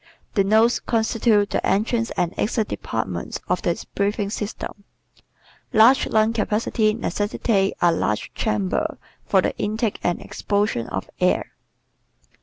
The nose constitutes the entrance and exit departments of the breathing system. Large lung capacity necessitates a large chamber for the intake and expulsion of air.